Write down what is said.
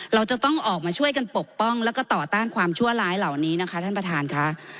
เราจะต้องออกมาช่วยกันปกป้องแล้วก็ต่อต้านความชั่วร้ายเหล่านี้นะคะท่านประธานค่ะ